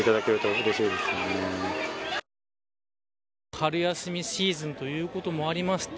春休みシーズンということもありまして